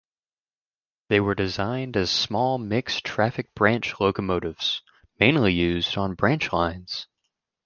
They were designed as small mixed traffic branch locomotives, mainly used on branch lines.